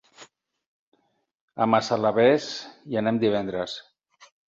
A Massalavés hi anem divendres.